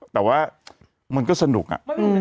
แต่ว่ามันก็สนุกอะ